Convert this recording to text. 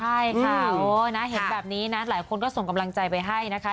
ใช่ค่ะโอ้นะเห็นแบบนี้นะหลายคนก็ส่งกำลังใจไปให้นะคะ